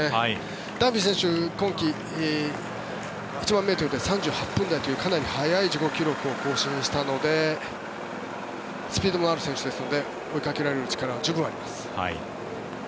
ダンフィー選手今季、１００００ｍで３８分台という、かなり速い自己記録を更新したのでスピードのある選手ですので追いかける力は十分あります。